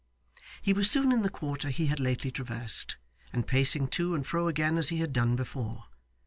He was soon in the quarter he had lately traversed, and pacing to and fro again as he had done before.